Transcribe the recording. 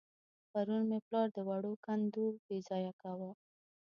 پرون مې پلار د وړو کندو بېځايه کاوه.